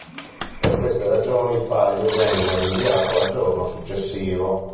Per queste ragioni il Palio venne rinviato al giorno successivo.